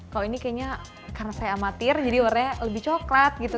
kalau ini kayaknya karena saya amatir jadi warnanya lebih coklat gitu